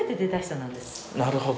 なるほど。